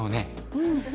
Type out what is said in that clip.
うん。